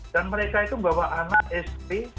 dan mereka itu bawa anak isp